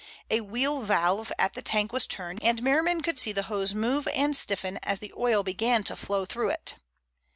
A wheel valve at the tank was turned, and Merriman could see the hose move and stiffen as the oil began to flow through it.